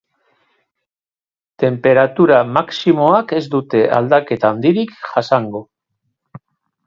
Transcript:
Tenperatura maximoak ez dute aldaketa handirik jasango.